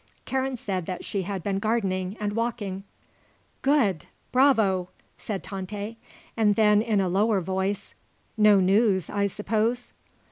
Karen said that she had been gardening and walking. "Good; bravo!" said Tante, and then, in a lower voice: "No news, I suppose?"